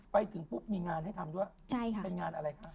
ไปถึงปุ๊บมีงานให้ทำด้วยใช่ค่ะ